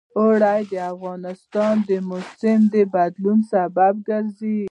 اوړي د افغانستان د موسم د بدلون سبب کېږي.